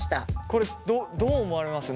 これどう思われます？